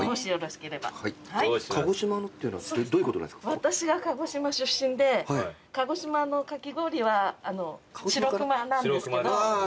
私が鹿児島出身で鹿児島のかき氷はしろくまなんですけど。